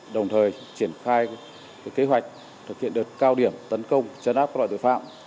đồng thời triển khai kế hoạch thực hiện đợt cao điểm tấn công chấn áp các loại tội phạm